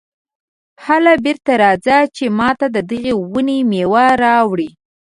هله بېرته راځه چې ماته د دغې ونې مېوه راوړې.